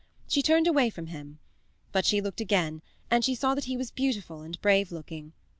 She turned away from him. But she looked again and she saw that he was beautiful and brave looking.